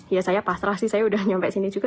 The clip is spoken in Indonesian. ya saya pasrah sih saya udah nyampe sini juga